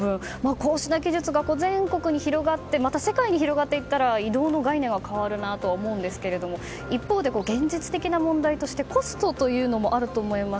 こうした技術ですが全国に広がっていったら世界に広がっていったら移動の概念は変わるなと思うんですが一方で現実的な問題としてコストもあるなと思います。